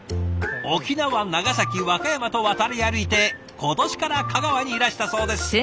沖縄長崎和歌山と渡り歩いて今年から香川にいらしたそうです。